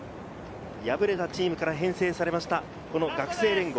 敗れたチームから編成された学生連合。